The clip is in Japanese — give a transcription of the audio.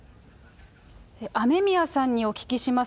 雨宮さんにお聞きします。